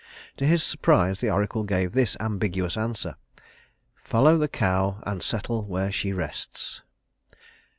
To his surprise the oracle gave this ambiguous answer: "Follow the cow and settle where she rests."